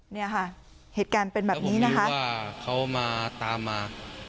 เนี่ยค่ะเหตุการณ์เป็นแบบนี้นะคะว่าเขามาตามมา